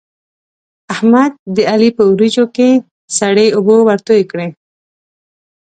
احمد د علي په وريجو کې سړې اوبه ورتوی کړې.